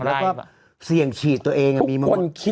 แล้วก็เสี่ยงฉีดตัวเองมีคนคิด